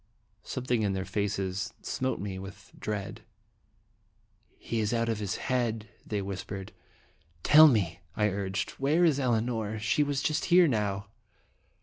Something in their faces smote me with dread. "He is out of his head!" they whispered. " Tell me," I urged, "where is Elinor? She was here just now."